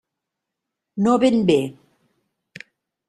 No ben bé.